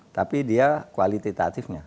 tapi dia kualitatifnya